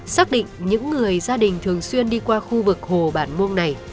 xác định những người gia đình thường xuyên đi qua khu vực hồ bản muông này